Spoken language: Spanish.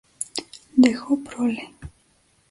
Dejo prole.